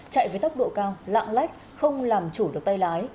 chạy với tốc độ cao lạng lách không làm chủ được tay lái